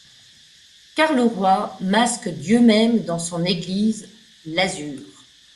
Car le roi masque Dieu même dans son église, L'azur.